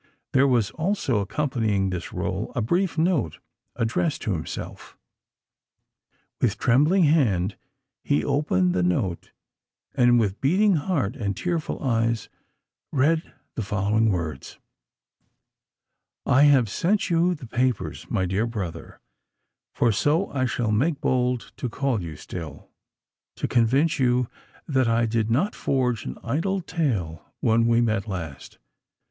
There was also, accompanying this roll, a brief note addressed to himself. With trembling hand he opened the note, and, with beating heart and tearful eyes, read the following words:— "I have sent you the papers, my dear brother—for so I shall make bold to call you still,—to convince you that I did not forge an idle tale when we met last.